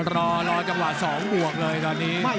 รอจังหวะ๒บวกเลยตอนนี้